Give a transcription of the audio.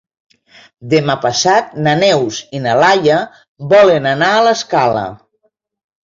Demà passat na Neus i na Laia volen anar a l'Escala.